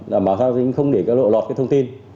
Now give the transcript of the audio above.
đảm bảo không để lộ lọt thông tin